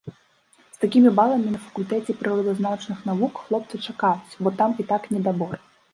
З такімі баламі на факультэце прыродазнаўчых навук хлопца чакаюць, бо там і так недабор.